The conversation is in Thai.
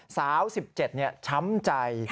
สาว๑๗ช้ำใจ